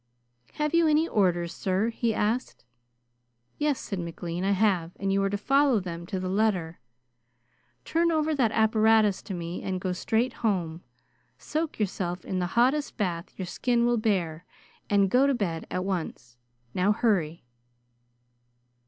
"Have you any orders, sir?" he asked. "Yes," said McLean, "I have, and you are to follow them to the letter. Turn over that apparatus to me and go straight home. Soak yourself in the hottest bath your skin will bear and go to bed at once. Now hurry."